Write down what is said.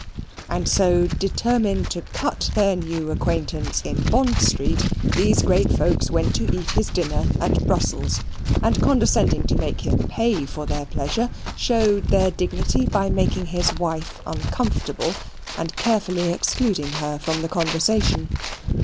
And so, determined to cut their new acquaintance in Bond Street, these great folks went to eat his dinner at Brussels, and condescending to make him pay for their pleasure, showed their dignity by making his wife uncomfortable, and carefully excluding her from the conversation.